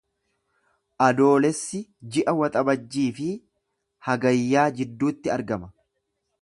Adoolessi ji'a Waxabajjii fi Hagayya jidduutti argama.